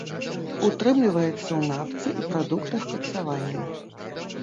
Утрымліваецца ў нафце і прадуктах каксавання.